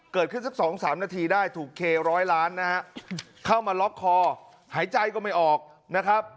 สัก๒๓นาทีได้ถูกเคร้อยล้านนะฮะเข้ามาล็อกคอหายใจก็ไม่ออกนะครับ